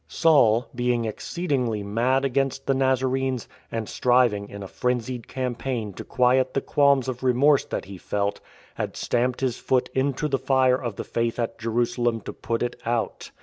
Saul, being exceedingly mad against the Nazarenes, and striving in a frenzied' campaign to quiet the qualms of remorse that he felt, had stamped his foot into the fire of the Faith at Jerusalem to put it out.